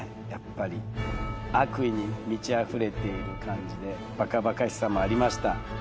やっぱり悪意に満ちあふれている感じでバカバカしさもありました